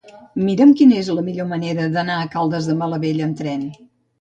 Mira'm quina és la millor manera d'anar a Caldes de Malavella amb tren.